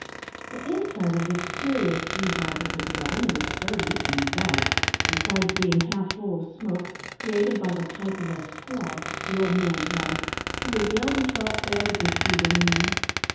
The inside of this curious bee hive of a dwelling was dirty and dark, besides being half full of smoke, created by the pipe of a squaw the old man's wife who regaled herself there with the soothing weed.